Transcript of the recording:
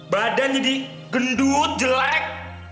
badan jadi gendut jelek